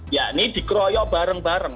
ini dikeroyok bareng bareng